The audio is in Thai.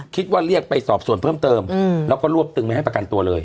เรียกไปสอบส่วนเพิ่มเติมแล้วก็รวบตึงไม่ให้ประกันตัวเลย